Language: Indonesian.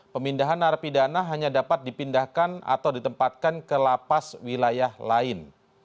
pemindahan narapidana hanya dapat dipindahkan atau ditempatkan ke lapas wilayah lain